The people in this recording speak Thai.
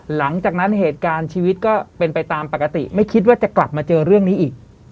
หลังจากนั้นเหตุการณ์ชีวิตก็เป็นไปตามปกติไม่คิดว่าจะกลับมาเจอเรื่องนี้อีก